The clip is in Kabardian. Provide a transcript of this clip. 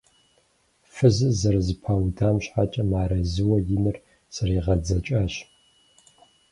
Фызыр зэрызэпаудам щхьэкӀэ мыарэзыуэ и нэр зэригъэдзэкӀащ.